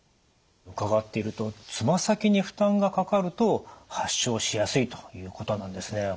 伺っているとつま先に負担がかかると発症しやすいということなんですね。